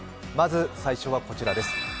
まず最初はこちらです。